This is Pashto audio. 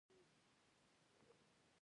بوتسوانا ډېر لږ پوخ سړک درلود.